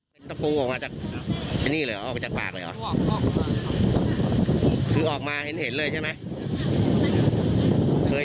ก็ตอนนั้นหนักกว่านี้ครับเพราะว่าต้องเข้าโรงพยาบาลมาบ่อย